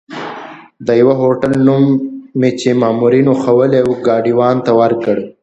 د یوه هوټل نوم مې چې مامورینو ښوولی وو، ګاډیوان ته ورکړ.